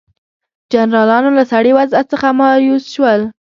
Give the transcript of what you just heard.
جنرالانو له سړې وضع څخه مایوس شول.